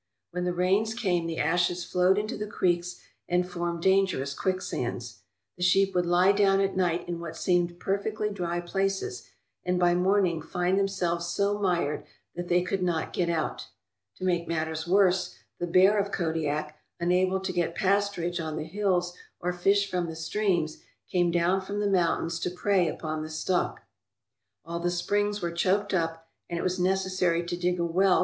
When the rains came the ashes flowed into the creeks and formed dangerous quicksands. The sheep would lie down at night in what seemed per fectly dry places and by morning find themselves so mired that they could not get out. To make matters worse, the bear of Kodiak, unable to get pasturage on the hills or fish from the streams, came down from the moun tains to prey upon the stock. All the springs were choked up and it was necessary to dig a well .